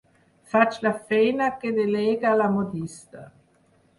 Faig la feina que delega la modista.